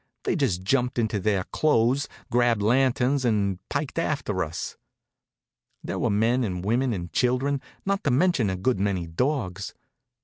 They just jumped into their clothes, grabbed lanterns and piked after us. There was men and women and children, not to mention a good many dogs.